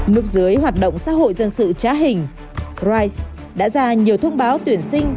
nước dưới hoạt động xã hội dân sự trá hình rise đã ra nhiều thông báo tuyển sinh